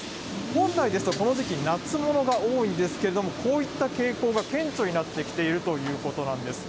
本来ですとこの時期、夏物が多いんですけれども、こういった傾向が顕著になってきているということなんです。